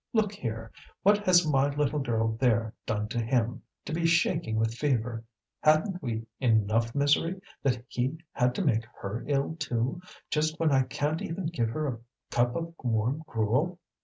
Look here! what has my little girl there done to Him, to be shaking with fever? Hadn't we enough misery, that He had to make her ill too, just when I can't even give her a cup of warm gruel?"